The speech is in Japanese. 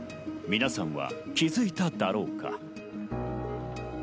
皆さんは気づいただろうか？